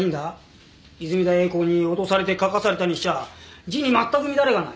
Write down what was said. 泉田栄子に脅されて書かされたにしちゃあ字に全く乱れがない。